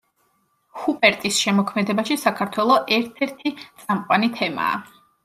ჰუპერტის შემოქმედებაში საქართველო ერთ-ერთი წამყვანი თემაა.